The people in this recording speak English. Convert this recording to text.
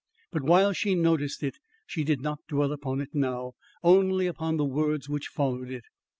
But, while she noticed it, she did not dwell upon it now, only upon the words which followed it.